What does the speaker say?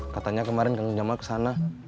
katanya kemarin kang jamal kesana